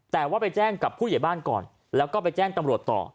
แต่ว่าไปแจ้งกับผู้ใหญ่บ้านก่อนแล้วก็ไปแจ้งตำรวจต่อ